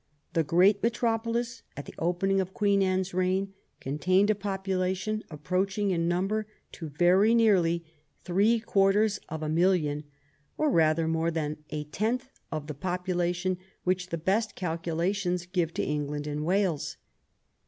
The great metropolis at the opening of Queen Anne's reign contained a population approaching in number to very nearly three quarters of a million, or rather more than a tenth of the population which the best calculations give to England and Wales.